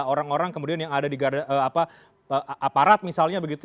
orang orang kemudian yang ada di aparat misalnya begitu